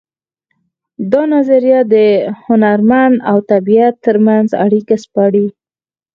دا نظریه د هنرمن او طبیعت ترمنځ اړیکه سپړي